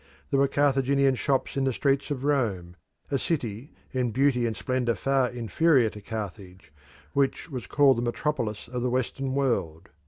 There were Carthaginian shops in the streets of Rome, a city in beauty and splendour far inferior to Carthage, which was called the metropolis of the Western world.